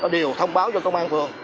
đều thông báo cho công an phường